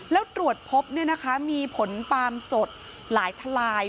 แล้วตรวจพบมีผลปาล์มสดหลายทลาย